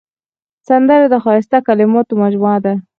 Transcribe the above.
سندره د ښایسته کلماتو مجموعه ده